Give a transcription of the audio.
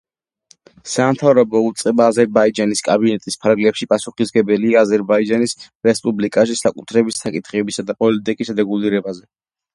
სამთავრობო უწყება აზერბაიჯანის კაბინეტის ფარგლებში პასუხისმგებელია აზერბაიჯანის რესპუბლიკაში საკუთრების საკითხებისა და პოლიტიკის რეგულირებაზე.